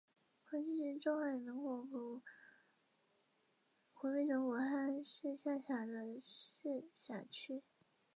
黄区是中华人民共和国湖北省武汉市下辖的市辖区。